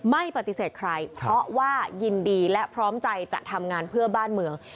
ไม่ปฏิเสธใครเพราะว่ายินดีและพร้อมใจจะทำงานเพื่อบ้านเมือง